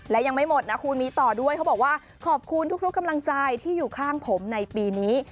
และยังไม่หมดนะคุณมีต่อด้วยเขาบอกว่าขอบคุณทุกกำลังใจที่อยู่ข้างผมในปีนี้